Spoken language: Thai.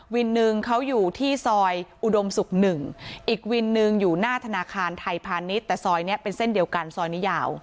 วินหนึ่งเขาอยู่ที่ซอยอุดมศุกร์๑อีกวินหนึ่งอยู่หน้าธนาคารไทยพาณิชย์แต่ซอยนี้เป็นเส้นเดียวกันซอยนี้ยาว